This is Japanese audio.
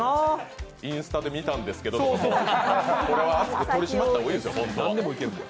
インスタで見たんですけどとか取り締まった方がいいですよ。